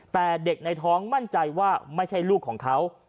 แต่เด็กในท้องมั่นใจว่าไม่ใช่ลูกของเขา